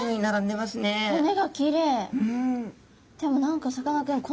でも何かさかなクン